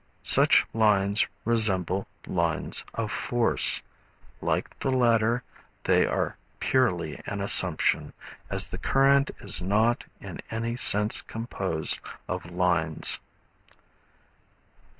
Such lines resemble lines of force. Like the latter, they are purely an assumption, as the current is not in any sense composed of lines.